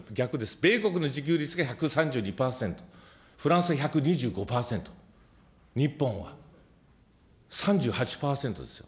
米国の自給率、１３２％、フランス１２５％、日本は３８％ですよ。